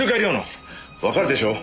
わかるでしょう？